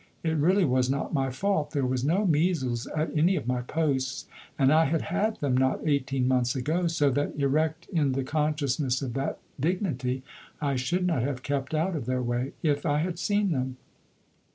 It really was not my fault. There was no measles at any of my posts, and I had had them not eighteen months ago, so that, erect in the consciousness of that dignity, I should not have kept out of their way, if I had seen them.